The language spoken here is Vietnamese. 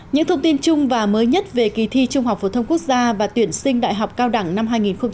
những thông tin chung và mới nhất về kỳ thi trung học phổ thông quốc gia và tuyển sinh đại học cao đẳng năm hai nghìn một mươi chín